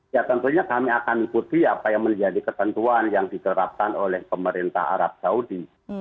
ya tentunya kami akan ikuti apa yang menjadi ketentuan yang diterapkan oleh pemerintah arab saudi